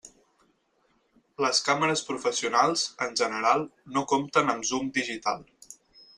Les càmeres professionals, en general, no compten amb zoom digital.